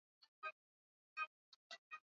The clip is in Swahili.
pia alijitokeza akaenda pia akapanda miti wakuu wote